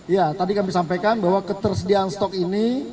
ya tadi kami sampaikan bahwa ketersediaan stok ini